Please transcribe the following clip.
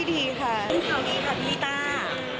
ส่วนข่าวดีค่ะลิต้า